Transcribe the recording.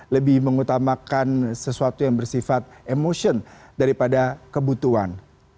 lebih mengutamakan sesuatu yang bersifat emotion daripada kebutuhan